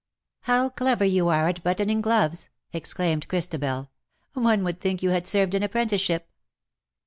'' How clever you are at buttoning gloves/' ex claimed Christabel ;" one would think you had served an apprenticeship."